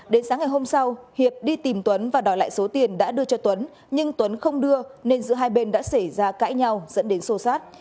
đến sáng ngày hôm sau hiệp đi tìm tuấn và đòi lại số tiền đã đưa cho tuấn nhưng tuấn không đưa nên giữa hai bên đã xảy ra cãi nhau dẫn đến sô sát